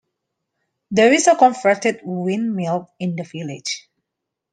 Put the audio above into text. There is a converted windmill in the village.